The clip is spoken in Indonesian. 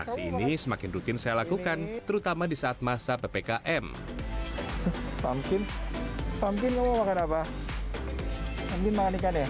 aksi ini semakin rutin saya lakukan terutama di saat masa ppkm apa mungkin manikan ya